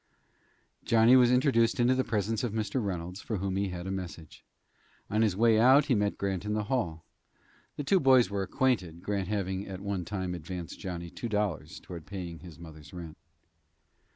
Johnny was introduced into the presence of Mr. Reynolds, for whom he had a message. On his way out he met Grant in the hall. The two boys were acquainted, Grant having at one time advanced Johnny two dollars toward paying his mother's rent.